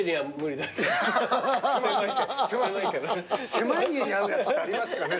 狭い家に合うやつとかありますかね？